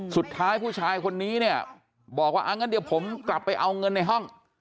สุดท้ายผู้ชายคนนี้เนี่ยบอกว่าอ่างั้นเดี๋ยวผมกลับไปเอาเงินในห้อง